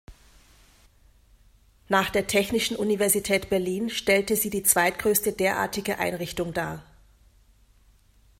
Nach der Technischen Universität Berlin stellte sie die zweitgrößte derartige Einrichtung dar.